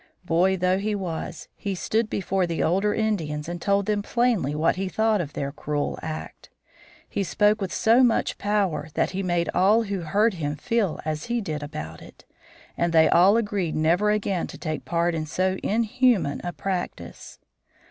Boy though he was, he stood before the older Indians and told them plainly what he thought of their cruel act. He spoke with so much power that he made all who heard him feel as he did about it. And they all agreed never again to take part in so inhuman a practice.